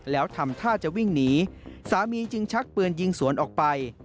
แล้วทำท่าจะวิ่งหนีสามีจึงชักปืนยิงสวนออกไป